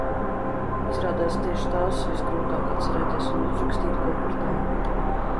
Izrādās tieši tās visgrūtāk atcerēties un uzrakstīt ko par tām.